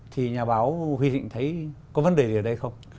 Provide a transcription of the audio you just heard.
thì nhà báo huy thịnh thấy có vấn đề gì ở đây không